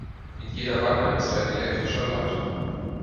In jeder Wanne ist ein elektrischer Leiter.